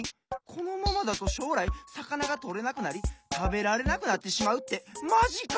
このままだとしょうらいさかながとれなくなりたべられなくなってしまうってマジか！